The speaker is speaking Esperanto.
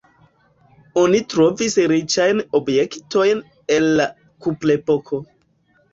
Oni trovis riĉajn objektojn el la kuprepoko.